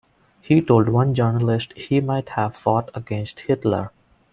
He told one journalist he might have fought against Hitler.